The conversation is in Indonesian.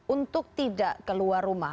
untuk tidak keluar rumah